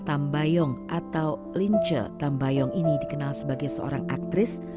tambayong atau linca tambayong ini dikenal sebagai seorang aktris